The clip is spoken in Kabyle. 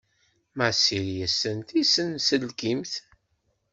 Masil yessen tisenselkimt.